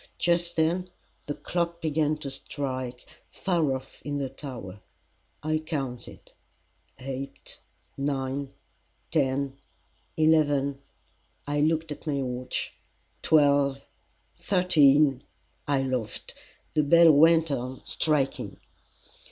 Just then the clock began to strike far off in the tower. I counted eight nine ten eleven I looked at my watch twelve thirteen I laughed. The bell went on striking.